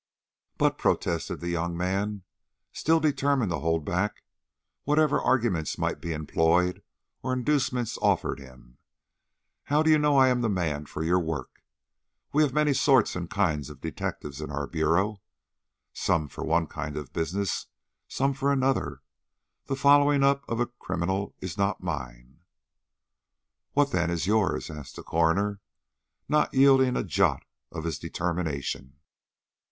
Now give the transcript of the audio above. "But," protested the young man, still determined to hold back, whatever arguments might be employed or inducements offered him, "how do you know I am the man for your work? We have many sorts and kinds of detectives in our bureau. Some for one kind of business, some for another; the following up of a criminal is not mine." "What, then, is yours?" asked the coroner, not yielding a jot of his determination.